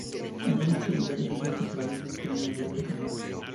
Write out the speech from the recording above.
Algunos historiadores dicen que su origen fue una villa romana.